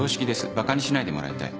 バカにしないでもらいたい。